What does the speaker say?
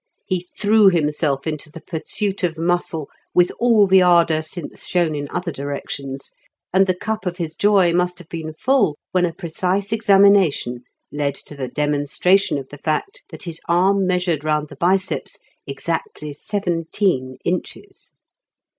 He threw himself into the pursuit of muscle with all the ardour since shown in other directions, and the cup of his joy must have been full when a precise examination led to the demonstration of the fact that his arm measured round the biceps exactly seventeen inches.